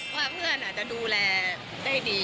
ว่าเพื่อนอาจจะดูแลได้ดี